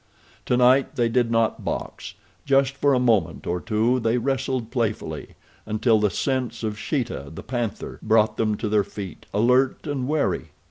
Tonight they did not box. Just for a moment or two they wrestled playfully, until the scent of Sheeta, the panther, brought them to their feet, alert and wary.